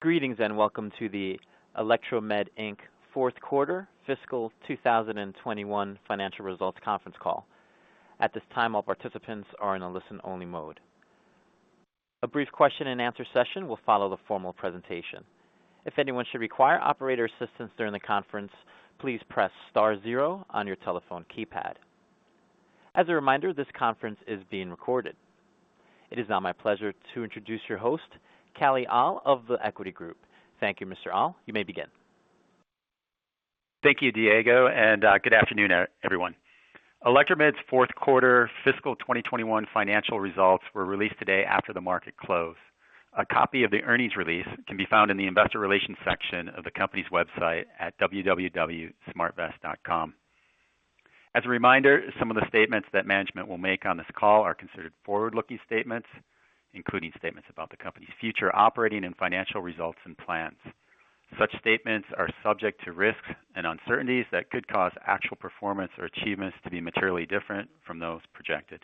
Greetings, and welcome to the Electromed, Inc. fourth quarter fiscal 2021 financial results conference call. At this time, all participants are in a listen-only mode. A brief question and answer session will follow the formal presentation. If anyone should require operator assistance during the conference, please press star zero on your telephone keypad. As a reminder, this conference is being recorded. It is now my pleasure to introduce your host, Kalle Ahl of The Equity Group. Thank you, Mr. Ahl. You may begin. Thank you, Diego. Good afternoon, everyone. Electromed's fourth quarter fiscal 2021 financial results were released today after the market close. A copy of the earnings release can be found in the investor relations section of the company's website at www.smartvest.com. As a reminder, some of the statements that management will make on this call are considered forward-looking statements, including statements about the company's future operating and financial results and plans. Such statements are subject to risks and uncertainties that could cause actual performance or achievements to be materially different from those projected.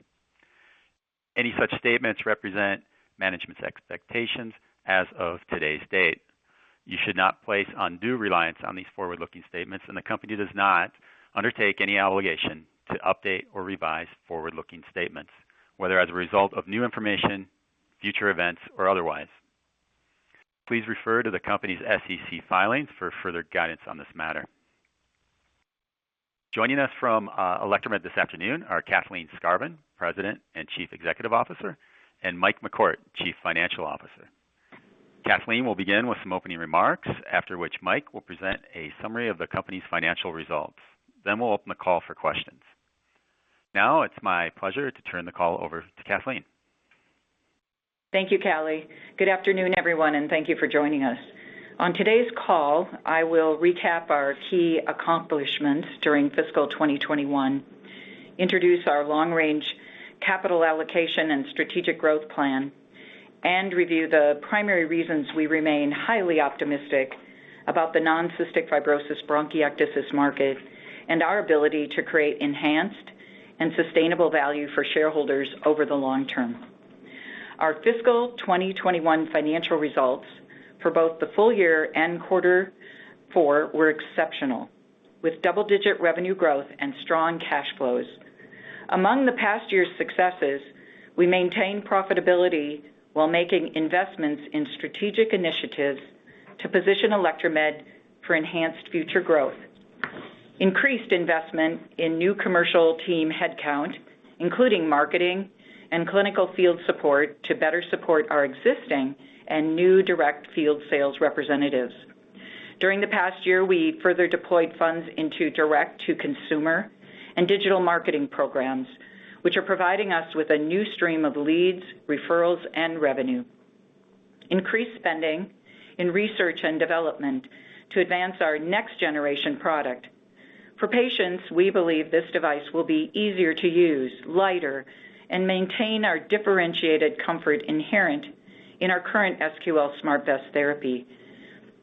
Any such statements represent management's expectations as of today's date. You should not place undue reliance on these forward-looking statements, and the company does not undertake any obligation to update or revise forward-looking statements, whether as a result of new information, future events, or otherwise. Please refer to the company's SEC filings for further guidance on this matter. Joining us from Electromed this afternoon are Kathleen Skarvan, President and Chief Executive Officer, and Mike MacCourt, Chief Financial Officer. Kathleen will begin with some opening remarks, after which Mike will present a summary of the company's financial results. We'll open the call for questions. It's my pleasure to turn the call over to Kathleen. Thank you, Kalle. Good afternoon, everyone, and thank you for joining us. On today's call, I will recap our key accomplishments during fiscal 2021, introduce our long-range capital allocation and strategic growth plan, and review the primary reasons we remain highly optimistic about the non-cystic fibrosis bronchiectasis market and our ability to create enhanced and sustainable value for shareholders over the long term. Our fiscal 2021 financial results for both the full year and quarter four were exceptional, with double-digit revenue growth and strong cash flows. Among the past year's successes, we maintained profitability while making investments in strategic initiatives to position Electromed for enhanced future growth, increased investment in new commercial team headcount, including marketing and clinical field support to better support our existing and new direct field sales representatives. During the past year, we further deployed funds into direct-to-consumer and digital marketing programs, which are providing us with a new stream of leads, referrals, and revenue. Increased spending in research and development to advance our next-generation product. For patients, we believe this device will be easier to use, lighter, and maintain our differentiated comfort inherent in our current SmartVest SQL therapy.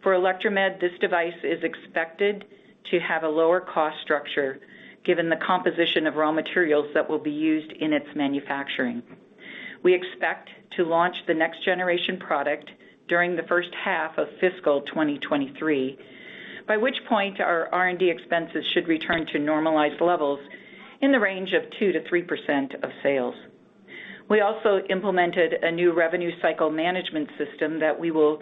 For Electromed, this device is expected to have a lower cost structure given the composition of raw materials that will be used in its manufacturing. We expect to launch the next-generation product during the first half of fiscal 2023, by which point our R&D expenses should return to normalized levels in the range of 2%-3% of sales. We also implemented a new revenue cycle management system that will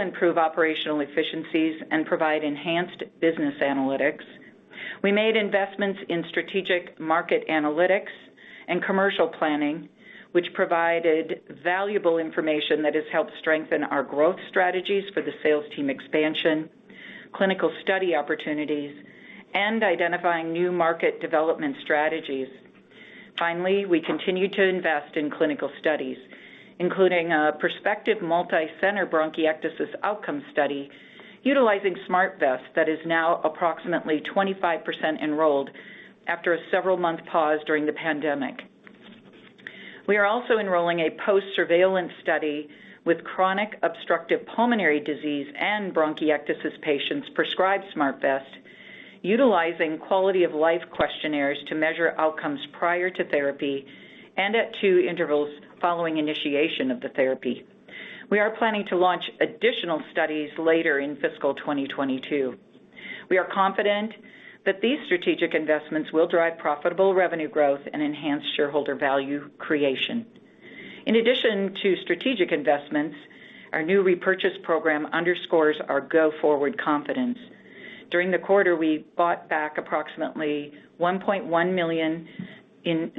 improve operational efficiencies and provide enhanced business analytics. We made investments in strategic market analytics and commercial planning, which provided valuable information that has helped strengthen our growth strategies for the sales team expansion, clinical study opportunities, and identifying new market development strategies. Finally, we continue to invest in clinical studies, including a prospective multi-center bronchiectasis outcome study utilizing SmartVest that is now approximately 25% enrolled after a several-month pause during the pandemic. We are also enrolling a post-surveillance study with chronic obstructive pulmonary disease and bronchiectasis patients prescribed SmartVest, utilizing quality-of-life questionnaires to measure outcomes prior to therapy and at 2 intervals following initiation of the therapy. We are planning to launch additional studies later in fiscal 2022. We are confident that these strategic investments will drive profitable revenue growth and enhance shareholder value creation. In addition to strategic investments, our new repurchase program underscores our go-forward confidence. During the quarter, we bought back approximately $1.1 million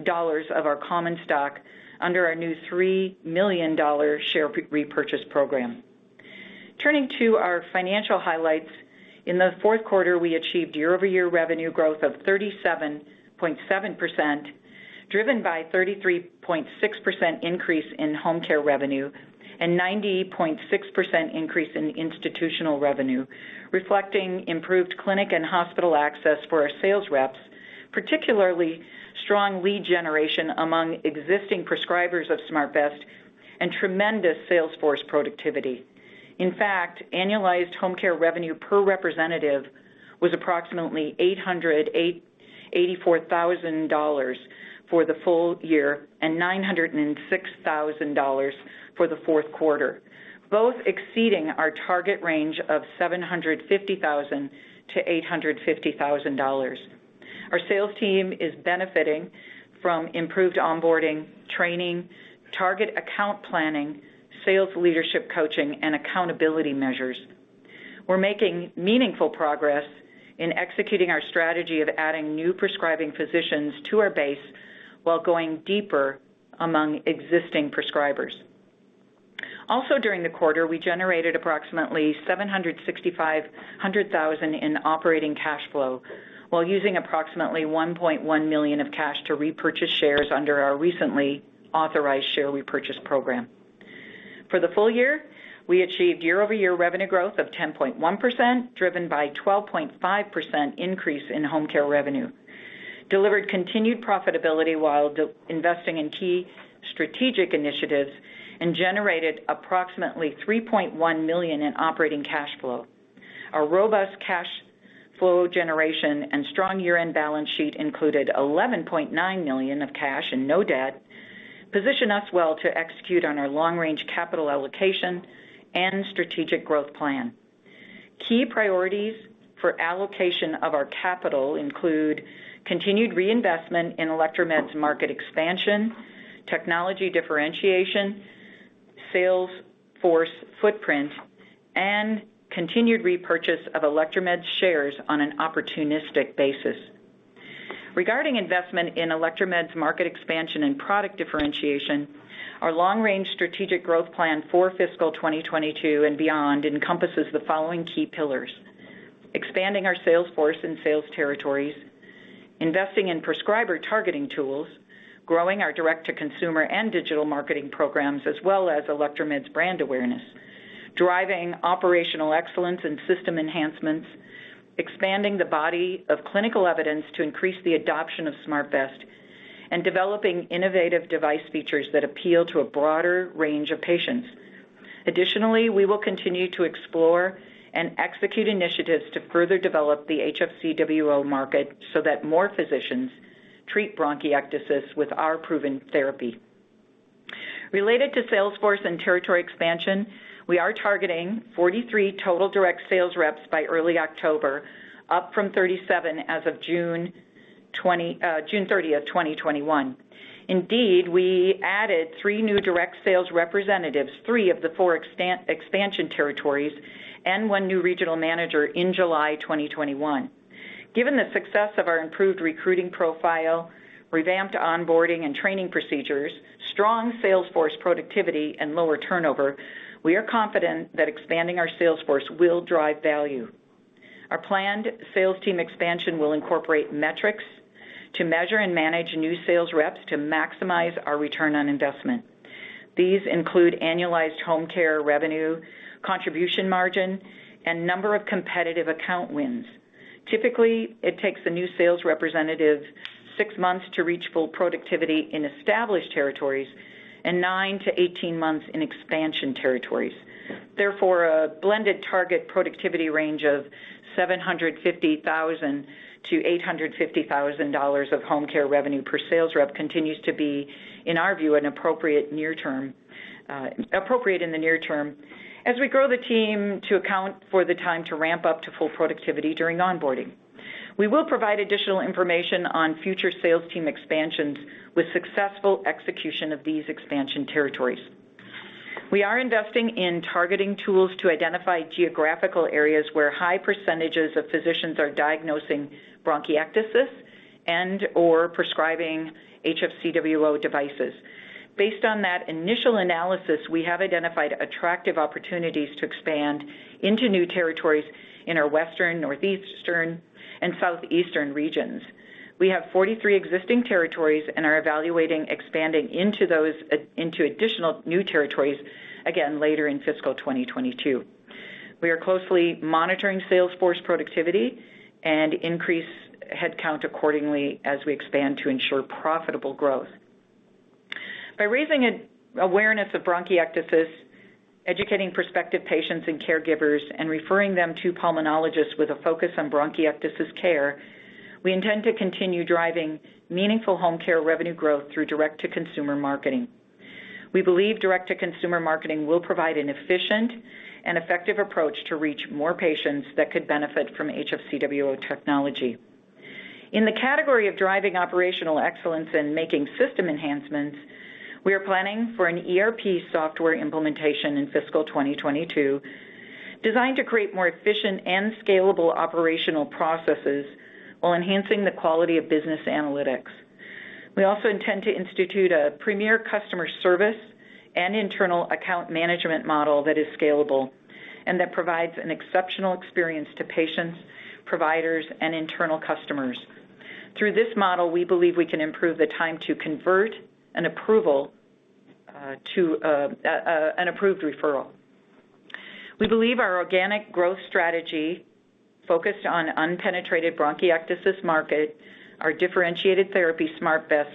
of our common stock under our new $3 million share repurchase program. Turning to our financial highlights, in the fourth quarter, we achieved year-over-year revenue growth of 37.7%, driven by 33.6% increase in home care revenue and 90.6% increase in institutional revenue, reflecting improved clinic and hospital access for our sales reps, particularly strong lead generation among existing prescribers of SmartVest and tremendous sales force productivity. Annualized home care revenue per representative was approximately $884,000 for the full year and $906,000 for the fourth quarter, both exceeding our target range of $750,000-$850,000. Our sales team is benefiting from improved onboarding, training, target account planning, sales leadership coaching, and accountability measures. We're making meaningful progress in executing our strategy of adding new prescribing physicians to our base while going deeper among existing prescribers. Also during the quarter, we generated approximately $765,000 in operating cash flow while using approximately $1.1 million of cash to repurchase shares under our recently authorized share repurchase program. For the full year, we achieved year-over-year revenue growth of 10.1%, driven by 12.5% increase in home care revenue, delivered continued profitability while investing in key strategic initiatives, and generated approximately $3.1 million in operating cash flow. Our robust cash flow generation and strong year-end balance sheet included $11.9 million of cash and no debt, position us well to execute on our long-range capital allocation and strategic growth plan. Key priorities for allocation of our capital include continued reinvestment in Electromed's market expansion, technology differentiation, sales force footprint, and continued repurchase of Electromed's shares on an opportunistic basis. Regarding investment in Electromed's market expansion and product differentiation, our long-range strategic growth plan for fiscal 2022 and beyond encompasses the following key pillars: expanding our sales force and sales territories, investing in prescriber targeting tools, growing our direct-to-consumer and digital marketing programs as well as Electromed's brand awareness, driving operational excellence and system enhancements, expanding the body of clinical evidence to increase the adoption of SmartVest, and developing innovative device features that appeal to a broader range of patients. Additionally, we will continue to explore and execute initiatives to further develop the HFCWO market so that more physicians treat bronchiectasis with our proven therapy. Related to sales force and territory expansion, we are targeting 43 total direct sales reps by early October, up from 37 as of June 30th, 2021. Indeed, we added three new direct sales representatives, three of the four expansion territories, and 1 new regional manager in July 2021. Given the success of our improved recruiting profile, revamped onboarding and training procedures, strong sales force productivity, and lower turnover, we are confident that expanding our sales force will drive value. Our planned sales team expansion will incorporate metrics to measure and manage new sales reps to maximize our ROI. These include annualized home care revenue, contribution margin, and number of competitive account wins. Typically, it takes a new sales representative six months to reach full productivity in established territories and 9 to 18 months in expansion territories. A blended target productivity range of $750,000-$850,000 of home care revenue per sales rep continues to be, in our view, appropriate in the near term as we grow the team to account for the time to ramp up to full productivity during onboarding. We will provide additional information on future sales team expansions with successful execution of these expansion territories. We are investing in targeting tools to identify geographical areas where high % of physicians are diagnosing bronchiectasis and/or prescribing HFCWO devices. Based on that initial analysis, we have identified attractive opportunities to expand into new territories in our Western, Northeastern, and Southeastern regions. We have 43 existing territories and are evaluating expanding into additional new territories, again, later in fiscal 2022. We are closely monitoring sales force productivity and increase head count accordingly as we expand to ensure profitable growth. By raising awareness of bronchiectasis, educating prospective patients and caregivers, and referring them to pulmonologists with a focus on bronchiectasis care, we intend to continue driving meaningful home care revenue growth through direct-to-consumer marketing. We believe direct-to-consumer marketing will provide an efficient and effective approach to reach more patients that could benefit from HFCWO technology. In the category of driving operational excellence and making system enhancements, we are planning for an ERP software implementation in fiscal 2022 designed to create more efficient and scalable operational processes while enhancing the quality of business analytics. We also intend to institute a premier customer service and internal account management model that is scalable and that provides an exceptional experience to patients, providers, and internal customers. Through this model, we believe we can improve the time to convert an approved referral. We believe our organic growth strategy focused on unpenetrated bronchiectasis market, our differentiated therapy, SmartVest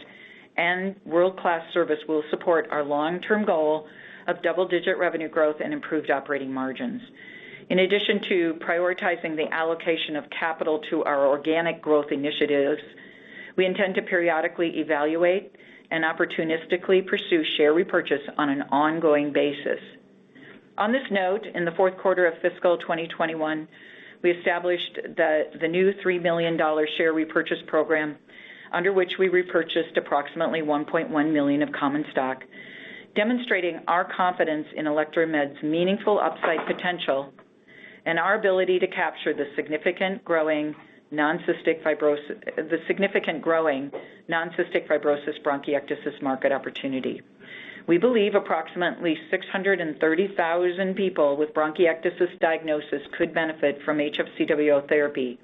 and world-class service will support our long-term goal of double-digit revenue growth and improved operating margins. In addition to prioritizing the allocation of capital to our organic growth initiatives, we intend to periodically evaluate and opportunistically pursue share repurchase on an ongoing basis. On this note, in the fourth quarter of fiscal 2021, we established the new $3 million share repurchase program, under which we repurchased approximately $1.1 million of common stock, demonstrating our confidence in Electromed's meaningful upside potential and our ability to capture the significant growing non-cystic fibrosis bronchiectasis market opportunity. We believe approximately 630,000 people with bronchiectasis diagnosis could benefit from HFCWO therapy.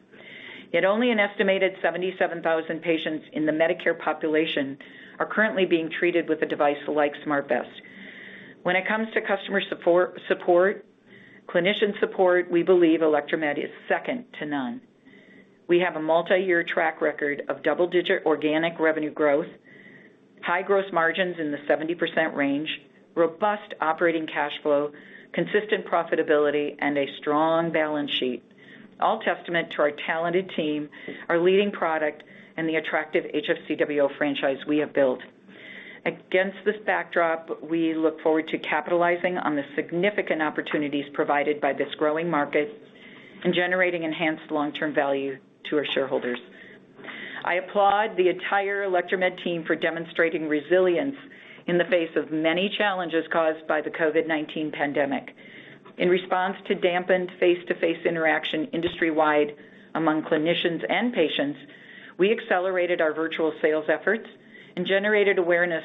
Yet only an estimated 77,000 patients in the Medicare population are currently being treated with a device like SmartVest. When it comes to customer support, clinician support, we believe Electromed is second to none. We have a multi-year track record of double-digit organic revenue growth, high gross margins in the 70% range, robust operating cash flow, consistent profitability, and a strong balance sheet, all testament to our talented team, our leading product, and the attractive HFCWO franchise we have built. Against this backdrop, we look forward to capitalizing on the significant opportunities provided by this growing market and generating enhanced long-term value to our shareholders. I applaud the entire Electromed team for demonstrating resilience in the face of many challenges caused by the COVID-19 pandemic. In response to dampened face-to-face interaction industry-wide among clinicians and patients, we accelerated our virtual sales efforts and generated awareness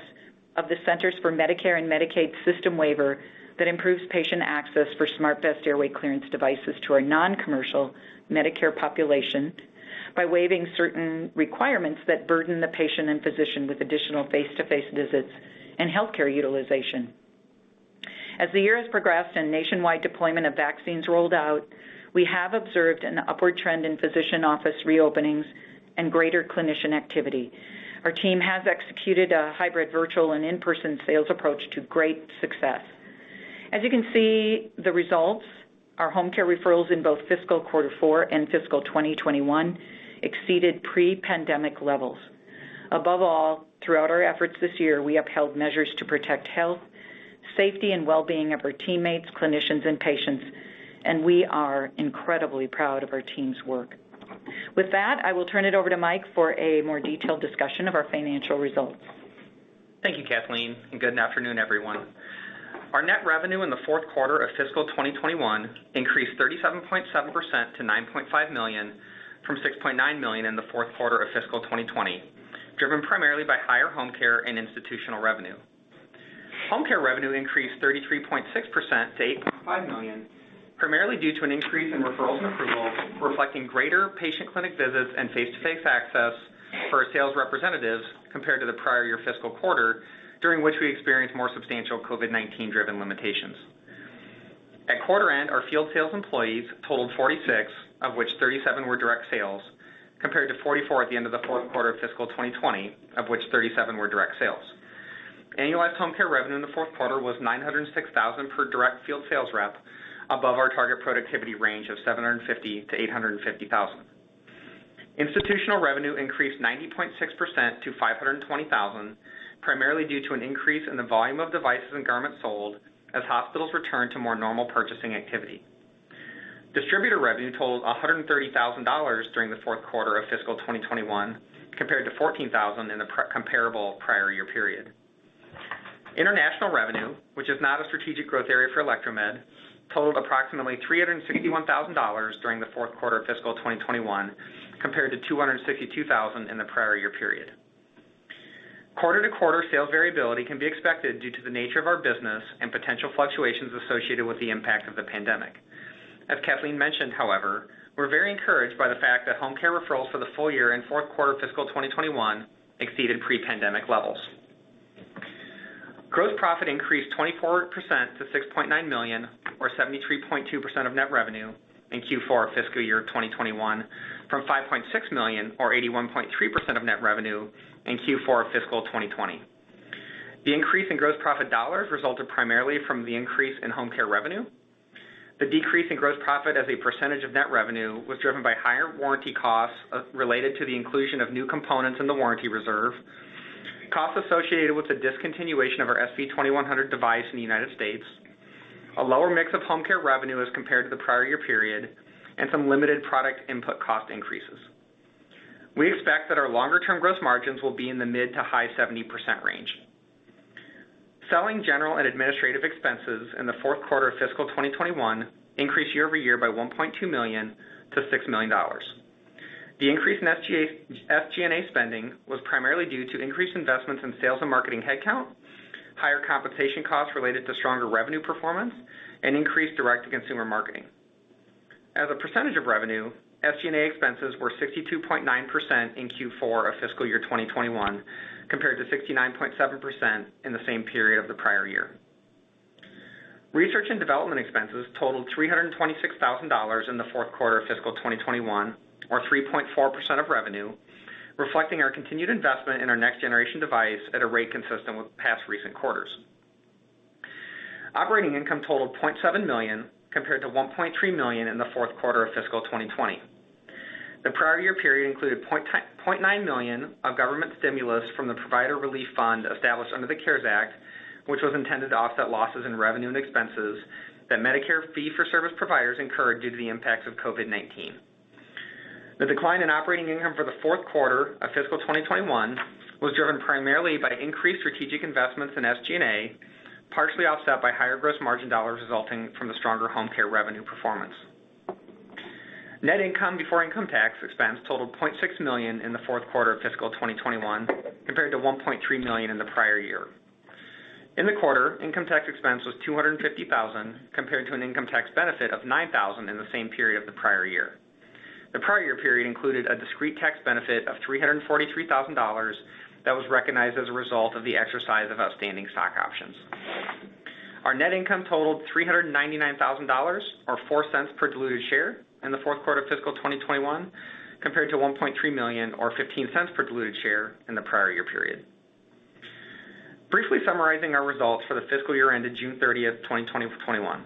of the Centers for Medicare & Medicaid system waiver that improves patient access for SmartVest airway clearance devices to our non-commercial Medicare population by waiving certain requirements that burden the patient and physician with additional face-to-face visits and healthcare utilization. As the year has progressed and nationwide deployment of vaccines rolled out, we have observed an upward trend in physician office reopenings and greater clinician activity. Our team has executed a hybrid virtual and in-person sales approach to great success. As you can see the results, our home care referrals in both fiscal quarter four and fiscal 2021 exceeded pre-pandemic levels. Above all, throughout our efforts this year, we upheld measures to protect health, safety, and well-being of our teammates, clinicians, and patients, and we are incredibly proud of our team's work. With that, I will turn it over to Mike for a more detailed discussion of our financial results. Thank you, Kathleen, and good afternoon, everyone. Our net revenue in the fourth quarter of fiscal 2021 increased 37.7% to $9.5 million from $6.9 million in the fourth quarter of fiscal 2020, driven primarily by higher home care and institutional revenue. Home care revenue increased 33.6% to $8.5 million, primarily due to an increase in referrals and approvals reflecting greater patient clinic visits and face-to-face access for our sales representatives compared to the prior year fiscal quarter, during which we experienced more substantial COVID-19 driven limitations. At quarter end, our field sales employees totaled 46, of which 37 were direct sales, compared to 44 at the end of the fourth quarter of fiscal 2020, of which 37 were direct sales. Annualized home care revenue in the fourth quarter was $906,000 per direct field sales rep, above our target productivity range of $750,000 to $850,000. Institutional revenue increased 90.6% to $520,000, primarily due to an increase in the volume of devices and garments sold as hospitals return to more normal purchasing activity. Distributor revenue totaled $130,000 during the fourth quarter of fiscal 2021, compared to $14,000 in the comparable prior year period. International revenue, which is not a strategic growth area for Electromed, totaled approximately $361,000 during the fourth quarter of fiscal 2021, compared to $262,000 in the prior year period. Quarter-to-quarter sales variability can be expected due to the nature of our business and potential fluctuations associated with the impact of the pandemic. As Kathleen mentioned, however, we're very encouraged by the fact that home care referrals for the full year and fourth quarter fiscal 2021 exceeded pre-pandemic levels. Gross profit increased 24% to $6.9 million or 73.2% of net revenue in Q4 fiscal year 2021 from $5.6 million or 81.3% of net revenue in Q4 fiscal 2020. The increase in gross profit dollars resulted primarily from the increase in home care revenue. The decrease in gross profit as a percentage of net revenue was driven by higher warranty costs related to the inclusion of new components in the warranty reserve, costs associated with the discontinuation of our SV2100 device in the U.S., a lower mix of home care revenue as compared to the prior year period, and some limited product input cost increases. We expect that our longer-term gross margins will be in the mid to high 70% range. Selling, general, and administrative expenses in the fourth quarter of fiscal 2021 increased year-over-year by $1.2 million to $6 million. The increase in SG&A spending was primarily due to increased investments in sales and marketing headcount, higher compensation costs related to stronger revenue performance, and increased direct-to-consumer marketing. As a percentage of revenue, SG&A expenses were 62.9% in Q4 of fiscal year 2021 compared to 69.7% in the same period of the prior year. Research and development expenses totaled $326,000 in the fourth quarter of fiscal 2021, or 3.4% of revenue, reflecting our continued investment in our next generation device at a rate consistent with past recent quarters. Operating income totaled $0.7 million, compared to $1.3 million in the fourth quarter of fiscal 2020. The prior year period included $0.9 million of government stimulus from the Provider Relief Fund established under the CARES Act, which was intended to offset losses in revenue and expenses that Medicare fee-for-service providers incurred due to the impacts of COVID-19. The decline in operating income for the fourth quarter of fiscal 2021 was driven primarily by increased strategic investments in SG&A, partially offset by higher gross margin dollars resulting from the stronger home care revenue performance. Net income before income tax expense totaled $0.6 million in the fourth quarter of fiscal 2021, compared to $1.3 million in the prior year. In the quarter, income tax expense was $250,000, compared to an income tax benefit of $9,000 in the same period of the prior year. The prior year period included a discrete tax benefit of $343,000 that was recognized as a result of the exercise of outstanding stock options. Our net income totaled $399,000, or $0.04 per diluted share in the fourth quarter of fiscal 2021, compared to $1.3 million or $0.15 per diluted share in the prior year period. Briefly summarizing our results for the fiscal year ended June 30th, 2021.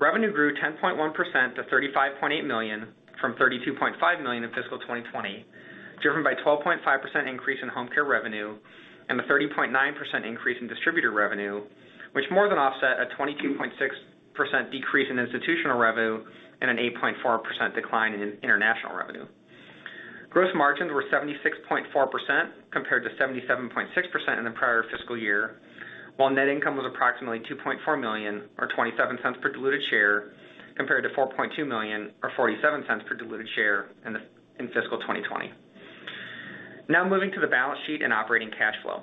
Revenue grew 10.1% to $35.8 million from $32.5 million in fiscal 2020, driven by 12.5% increase in home care revenue and the 30.9% increase in distributor revenue, which more than offset a 22.6% decrease in institutional revenue and an 8.4% decline in international revenue. Gross margins were 76.4%, compared to 77.6% in the prior fiscal year, while net income was approximately $2.4 million, or $0.27 per diluted share, compared to $4.2 million or $0.47 per diluted share in fiscal 2020. Now moving to the balance sheet and operating cash flow.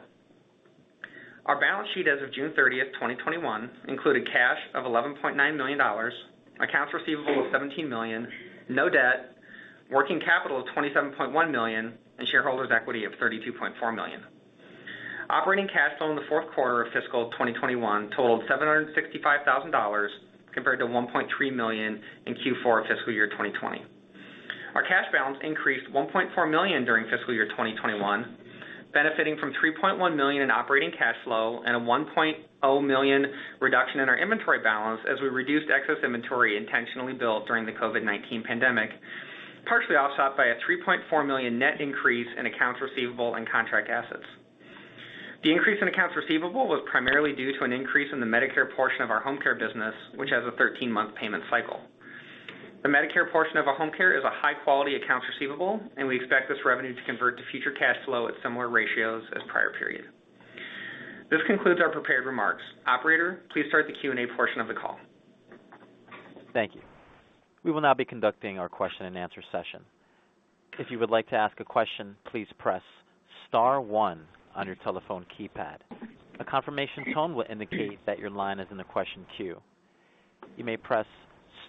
Our balance sheet as of June 30th, 2021 included cash of $11.9 million, accounts receivable of $17 million, no debt, working capital of $27.1 million, and shareholders' equity of $32.4 million. Operating cash flow in the fourth quarter of fiscal 2021 totaled $765,000, compared to $1.3 million in Q4 of fiscal year 2020. Our cash balance increased $1.4 million during fiscal year 2021, benefiting from $3.1 million in operating cash flow and a $1.0 million reduction in our inventory balance as we reduced excess inventory intentionally built during the COVID-19 pandemic, partially offset by a $3.4 million net increase in accounts receivable and contract assets. The increase in accounts receivable was primarily due to an increase in the Medicare portion of our home care business, which has a 13-month payment cycle. The Medicare portion of our home care is a high-quality accounts receivable, and we expect this revenue to convert to future cash flow at similar ratios as prior periods. This concludes our prepared remarks. Operator, please start the Q&A portion of the call. Thank you. We will now be conducting our question and answer session. If you would like to ask a question, please press star one on your telephone keypad. A confirmation tone will indicate that your line is in the question queue. You may press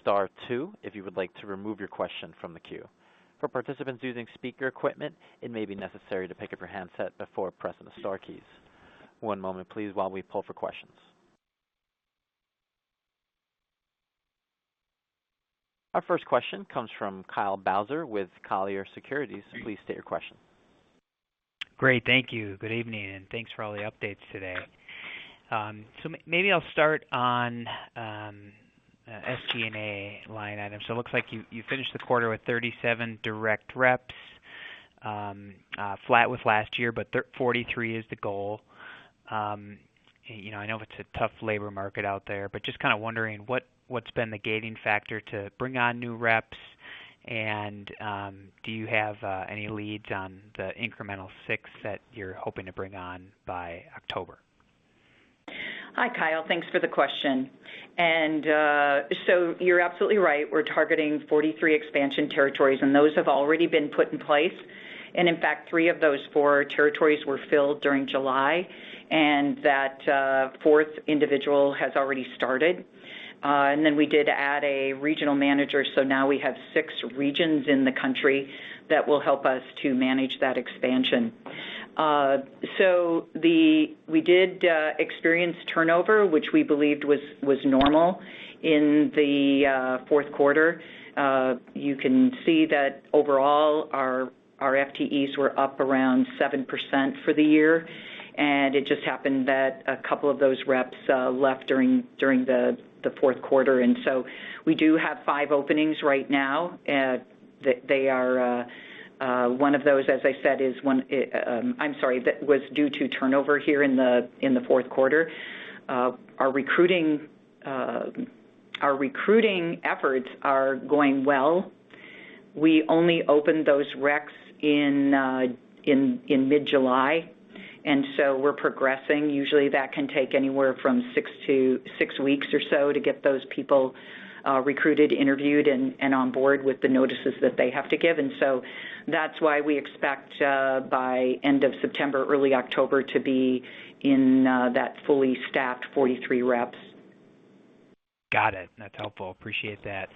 star two if you would like to remove your question from the queue. For participants using speaker equipment, it may be necessary to pick up your handset before pressing the star keys. One moment please while we pull for questions. Our first question comes from Kyle Bauser with Colliers Securities. Please state your question. Great. Thank you. Good evening, thanks for all the updates today. Maybe I'll start on SG&A line item. It looks like you finished the quarter with 37 direct reps, flat with last year, but 43 is the goal. I know it's a tough labor market out there, just kind of wondering what's been the gating factor to bring on new reps, and do you have any leads on the incremental 6 that you're hoping to bring on by October? Hi, Kyle. Thanks for the question. You are absolutely right. We are targeting 43 expansion territories, and those have already been put in place. In fact, three of those four territories were filled during July, and that fourth individual has already started. We did add a regional manager, so now we have six regions in the country that will help us to manage that expansion. We did experience turnover, which we believed was normal in the fourth quarter. You can see that overall, our FTEs were up around 7% for the year, and it just happened that a couple of those reps left during the fourth quarter. We do have five openings right now. One of those, as I said, was due to turnover here in the fourth quarter. Our recruiting efforts are going well. We only opened those reps in mid-July, and so we're progressing. Usually, that can take anywhere from six weeks or so to get those people recruited, interviewed, and on board with the notices that they have to give. That's why we expect by end of September, early October to be in that fully staffed 43 reps. Got it. That's helpful. Appreciate that.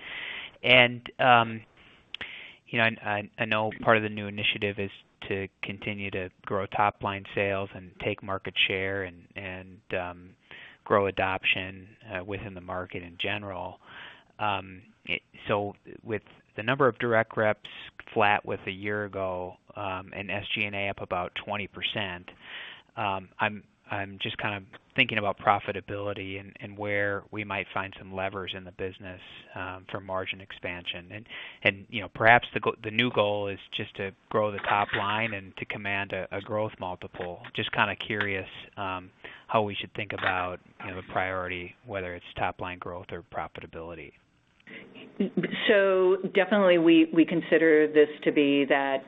I know part of the new initiative is to continue to grow top-line sales and take market share and grow adoption within the market in general. With the number of direct reps flat with a year ago, and SG&A up about 20%, I'm just kind of thinking about profitability and where we might find some levers in the business for margin expansion. Perhaps the new goal is just to grow the top line and to command a growth multiple. Just kind of curious how we should think about a priority, whether it's top-line growth or profitability. Definitely, we consider this to be that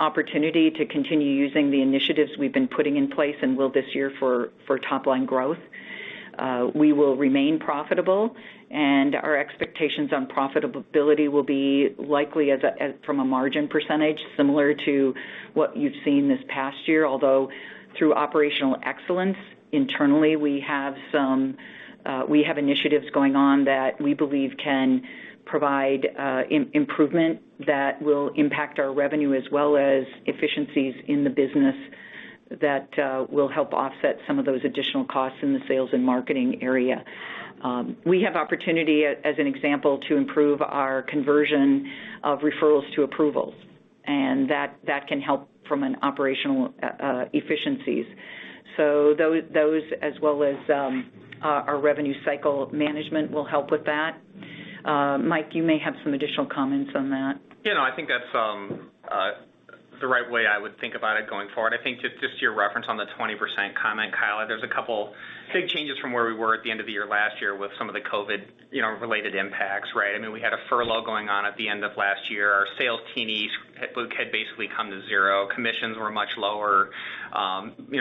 opportunity to continue using the initiatives we've been putting in place and will this year for top-line growth. We will remain profitable, and our expectations on profitability will be likely, from a margin percentage, similar to what you've seen this past year, although through operational excellence internally, we have initiatives going on that we believe can provide improvement that will impact our revenue as well as efficiencies in the business that will help offset some of those additional costs in the sales and marketing area. We have opportunity, as an example, to improve our conversion of referrals to approvals, and that can help from an operational efficiencies. Those, as well as our revenue cycle management, will help with that. Mike, you may have some additional comments on that. Yeah, no, I think that's the right way I would think about it going forward. I think just to your reference on the 20% comment, Kyle, there's a couple big changes from where we were at the end of the year last year with some of the COVID-related impacts, right? We had a furlough going on at the end of last year. Our sales team had basically come to zero. Commissions were much lower.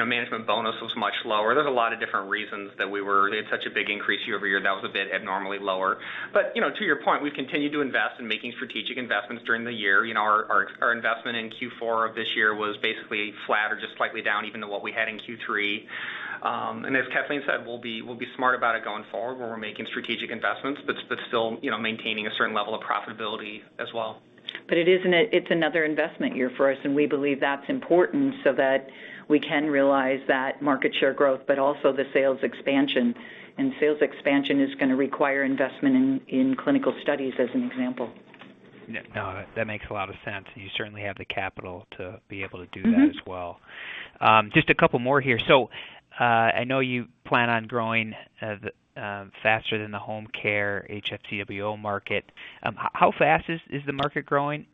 Management bonus was much lower. There's a lot of different reasons that we had such a big increase year-over-year that was a bit abnormally lower. To your point, we've continued to invest in making strategic investments during the year. Our investment in Q4 of this year was basically flat or just slightly down even to what we had in Q3. As Kathleen said, we'll be smart about it going forward where we're making strategic investments but still maintaining a certain level of profitability as well. It's another investment year for us, and we believe that's important so that we can realize that market share growth, but also the sales expansion. Sales expansion is going to require investment in clinical studies, as an example. No, that makes a lot of sense. You certainly have the capital to be able to do that as well. Just a couple more here. I know you plan on growing faster than the home care HFCWO market. How fast is the market growing?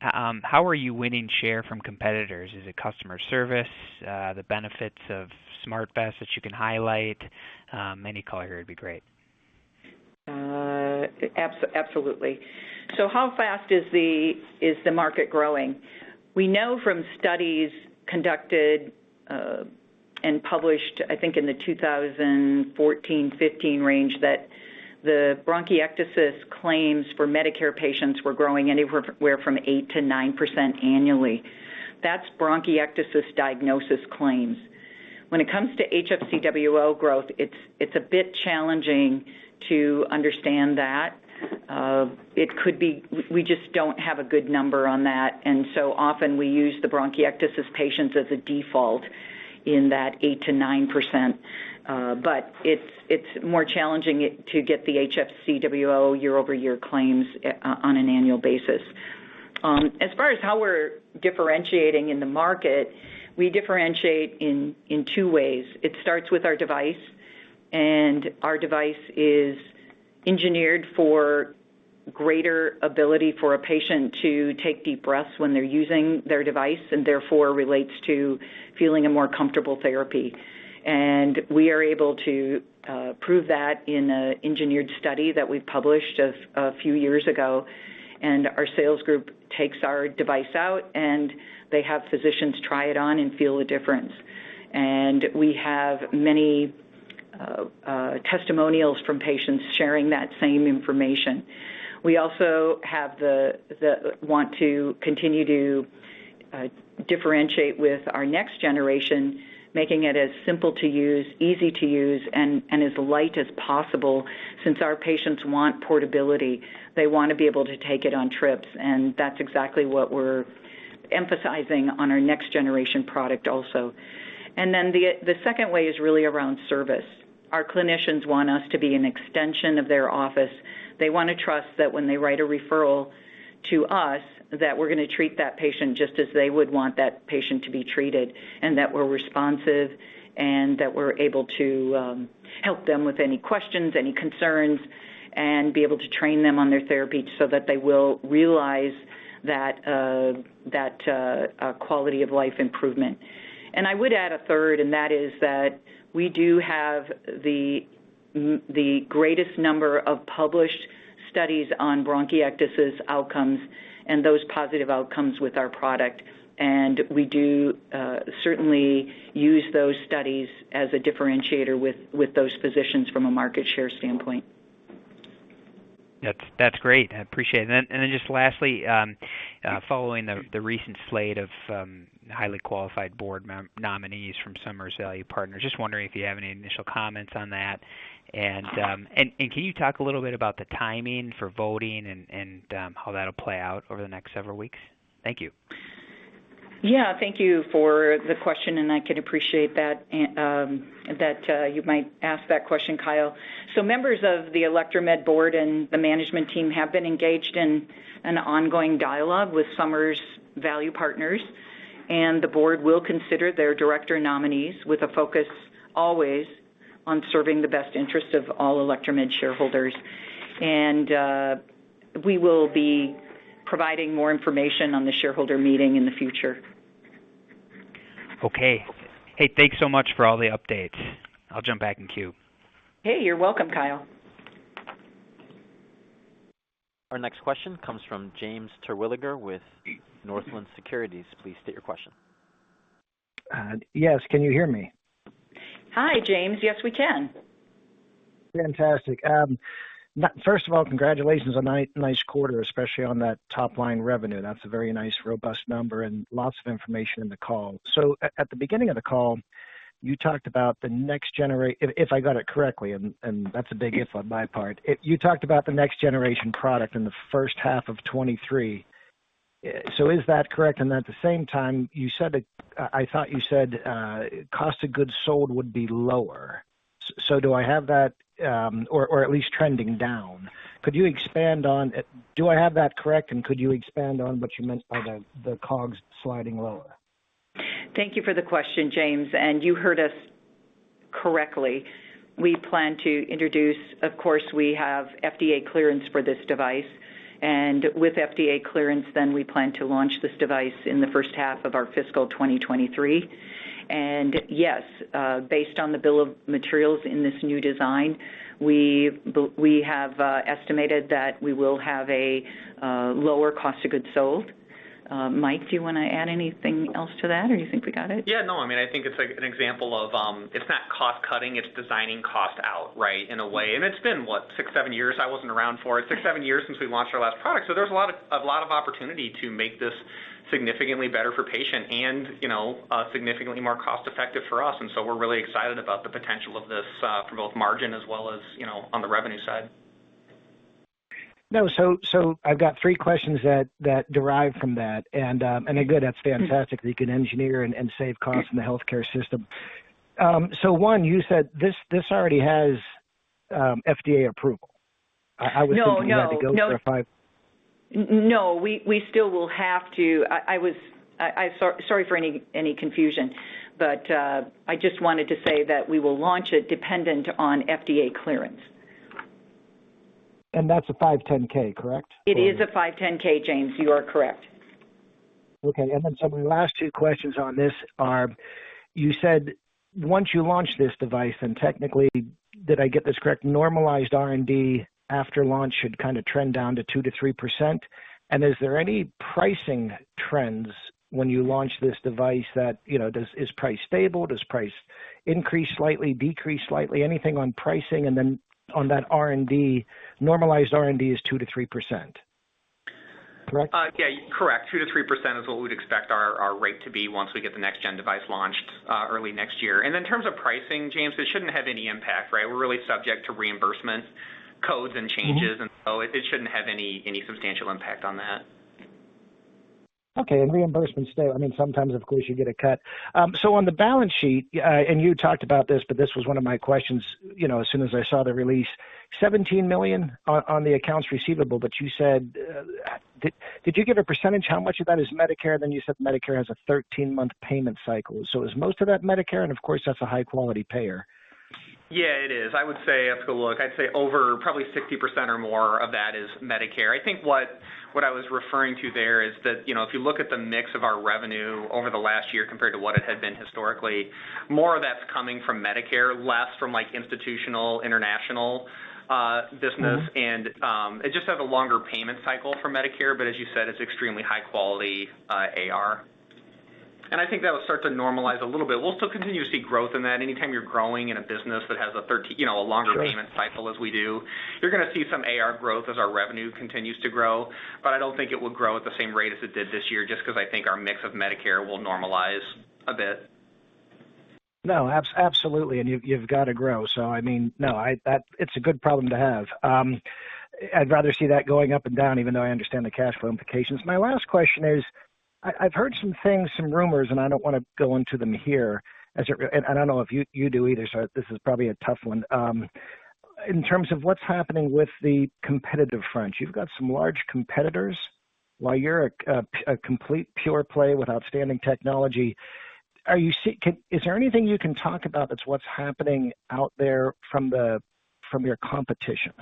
How are you winning share from competitors? Is it customer service? The benefits of SmartVest that you can highlight? Any color here would be great. Absolutely. How fast is the market growing? We know from studies conducted and published, I think in the 2014, 2015 range, that the bronchiectasis claims for Medicare patients were growing anywhere from 8%-9% annually. That's bronchiectasis diagnosis claims. When it comes to HFCWO growth, it's a bit challenging to understand that. We just don't have a good number on that, and so often we use the bronchiectasis patients as a default in that 8%-9%. But it's more challenging to get the HFCWO year-over-year claims on an annual basis. As far as how we're differentiating in the market, we differentiate in two ways. It starts with our device, and our device is engineered for greater ability for a patient to take deep breaths when they're using their device, and therefore relates to feeling a more comfortable therapy. We are able to prove that in an engineered study that we published a few years ago, our sales group takes our device out, and they have physicians try it on and feel a difference. We have many testimonials from patients sharing that same information. We also want to continue to differentiate with our next generation, making it as simple to use, easy to use, and as light as possible, since our patients want portability. They want to be able to take it on trips, and that's exactly what we're emphasizing on our next generation product also. The second way is really around service. Our clinicians want us to be an extension of their office. They want to trust that when they write a referral to us, that we're going to treat that patient just as they would want that patient to be treated, and that we're responsive and that we're able to help them with any questions, any concerns, and be able to train them on their therapy so that they will realize that quality of life improvement. I would add a third, and that is that we do have the greatest number of published studies on bronchiectasis outcomes and those positive outcomes with our product. We do certainly use those studies as a differentiator with those physicians from a market share standpoint. That's great. I appreciate it. Then just lastly, following the recent slate of highly qualified board nominees from Summers Value Partners, just wondering if you have any initial comments on that. Can you talk a little bit about the timing for voting and how that'll play out over the next several weeks? Thank you. Thank you for the question. I could appreciate that you might ask that question, Kyle. Members of the Electromed board and the management team have been engaged in an ongoing dialogue with Summers Value Partners. The board will consider their director nominees with a focus always on serving the best interest of all Electromed shareholders. We will be providing more information on the shareholder meeting in the future. Okay. Hey, thanks so much for all the updates. I'll jump back in queue. Hey, you're welcome, Kyle. Our next question comes from James Terwilliger with Northland Securities. Please state your question. Yes, can you hear me? Hi, James. Yes, we can. Fantastic. First of all, congratulations on nice quarter, especially on that top-line revenue. That's a very nice, robust number, lots of information in the call. At the beginning of the call, you talked about the next generation, if I got it correctly, and that's a big if on my part. You talked about the next generation product in the first half of 2023. Is that correct? At the same time, I thought you said cost of goods sold would be lower. Do I have that correct, or at least trending down, could you expand on what you meant by the COGS sliding lower? Thank you for the question, James. You heard us correctly. We plan to introduce, of course, we have FDA clearance for this device, and with FDA clearance, then we plan to launch this device in the first half of our fiscal 2023. Yes, based on the bill of materials in this new design, we have estimated that we will have a lower cost of goods sold. Mike, do you want to add anything else to that, or you think we got it? Yeah, no, I think it's an example of it's not cost-cutting, it's designing cost out, right? In a way. It's been what, six, seven years I wasn't around for. Six, seven years since we launched our last product. There's a lot of opportunity to make this significantly better for patient and significantly more cost-effective for us. We're really excited about the potential of this for both margin as well as on the revenue side. No, I've got three questions that derive from that. Good, that's fantastic that you can engineer and save costs in the healthcare system. 1, you said this already has FDA approval. No you had to go for a five No, we still will have to. Sorry for any confusion, but I just wanted to say that we will launch it dependent on FDA clearance. That's a 510, correct? It is a 510, James, you are correct. Okay, my last two questions on this are, you said once you launch this device, technically, did I get this correct, normalized R&D after launch should kind of trend down to 2%-3%? Is there any pricing trends when you launch this device that, is price stable? Does price increase slightly, decrease slightly? Anything on pricing, on that R&D, normalized R&D is 2%-3%? Correct? Yeah, correct. 2% to 3% is what we'd expect our rate to be once we get the next gen device launched early next year. In terms of pricing, James, this shouldn't have any impact, right? We're really subject to reimbursement codes and changes, it shouldn't have any substantial impact on that. Okay, reimbursements stay. Sometimes of course you get a cut. On the balance sheet, and you talked about this, but this was one of my questions as soon as I saw the release. $17 million on the accounts receivable, but you said Did you give a percentage how much of that is Medicare? You said Medicare has a 13-month payment cycle. Is most of that Medicare? Of course, that's a high-quality payer. Yeah, it is. I would say, I have to go look, I'd say over probably 60% or more of that is Medicare. I think what I was referring to there is that, if you look at the mix of our revenue over the last year compared to what it had been historically, more of that's coming from Medicare, less from institutional, international business. It just has a longer payment cycle for Medicare. As you said, it's extremely high quality AR. I think that'll start to normalize a little bit. We'll still continue to see growth in that. Sure payment cycle as we do, you're going to see some AR growth as our revenue continues to grow. But I don't think it will grow at the same rate as it did this year, just because I think our mix of Medicare will normalize a bit. No, absolutely. You've got to grow. It's a good problem to have. I'd rather see that going up and down, even though I understand the cash flow implications. My last question is, I've heard some things, some rumors, and I don't want to go into them here, and I don't know if you do either, so this is probably a tough one. In terms of what's happening with the competitive front, you've got some large competitors. While you're a complete pure play with outstanding technology, is there anything you can talk about that's what's happening out there from your competition?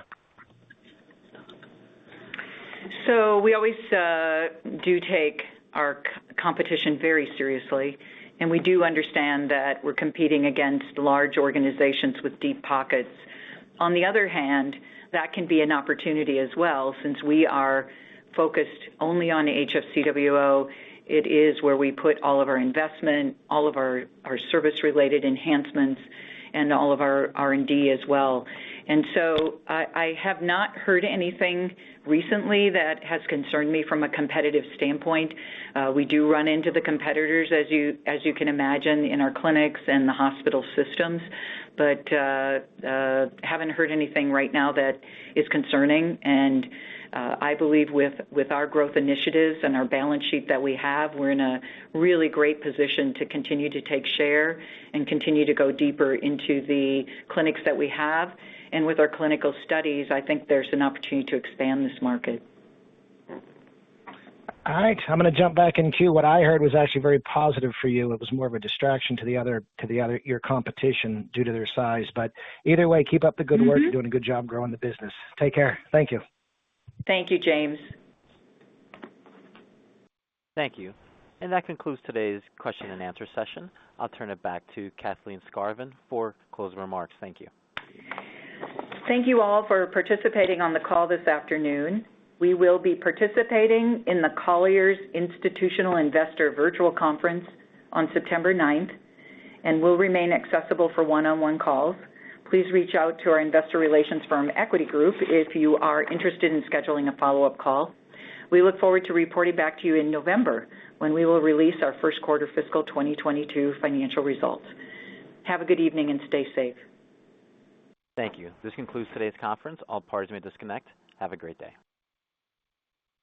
We always do take our competition very seriously, and we do understand that we're competing against large organizations with deep pockets. On the other hand, that can be an opportunity as well, since we are focused only on HFCWO. It is where we put all of our investment, all of our service-related enhancements, and all of our R&D as well. I have not heard anything recently that has concerned me from a competitive standpoint. We do run into the competitors, as you can imagine, in our clinics and the hospital systems, but haven't heard anything right now that is concerning. I believe with our growth initiatives and our balance sheet that we have, we're in a really great position to continue to take share and continue to go deeper into the clinics that we have. With our clinical studies, I think there's an opportunity to expand this market. All right. I'm going to jump back in queue. What I heard was actually very positive for you. It was more of a distraction to your competition due to their size. Either way, keep up the good work. You're doing a good job growing the business. Take care. Thank you. Thank you, James. Thank you. That concludes today's question and answer session. I'll turn it back to Kathleen Skarvan for closing remarks. Thank you. Thank you all for participating on the call this afternoon. We will be participating in the Colliers Institutional Investor Virtual Conference on September 9th. We'll remain accessible for one-on-one calls. Please reach out to our investor relations firm, Equity Group, if you are interested in scheduling a follow-up call. We look forward to reporting back to you in November, when we will release our first quarter fiscal 2022 financial results. Have a good evening, and stay safe. Thank you. This concludes today's conference. All parties may disconnect. Have a great day.